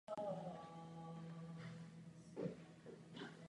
Je mladší sestrou režiséra a scenáristy Woodyho Allena.